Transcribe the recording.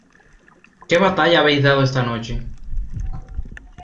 ¿ qué batalla habéis dado esta noche?